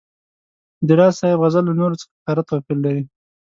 د راز صاحب غزل له نورو څخه ښکاره توپیر لري.